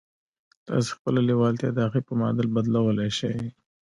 تاسې خپله لېوالتیا د هغې په معادل بدلولای شئ